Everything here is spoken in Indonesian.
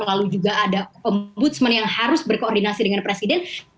lalu juga ada ombudsman yang harus berkoordinasi dengan presiden